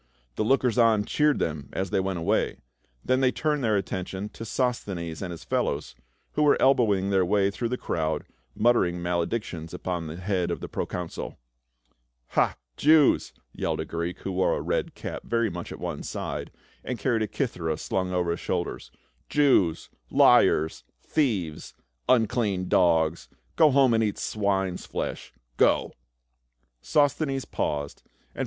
The lookers on cheered them as they went away ; then they turned their attention to Sos thenes and his fellows, who were elbowing their way through the crowd, muttering maledictions upon the head of the proconsul. "Ha, Jews !" yelled a Greek, who wore a red cap very much at one side, and carried a kithera slung over his shoulder. "Jews — liars — thieves — unclean dogs ! Go home and eat swine's flesh — Go !" Sosthenes paused, and fi.